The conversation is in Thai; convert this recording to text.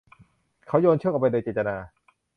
เขาโยนเชือกออกไปโดยเจตนา